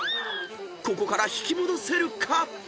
［ここから引き戻せるか］